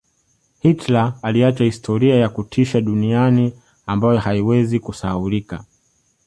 Hitler aliacha historia ya kutisha duniani ambayo haiwezi kusahaulika